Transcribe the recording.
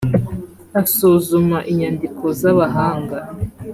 asuzuma inyandiko z’abahanga